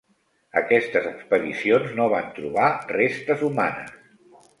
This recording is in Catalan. Aquestes expedicions no van trobar restes humanes.